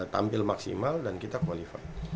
tampil maksimal dan kita qualified